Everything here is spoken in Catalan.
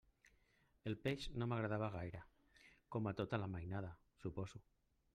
El peix no m'agradava gaire, com a tota la mainada, suposo.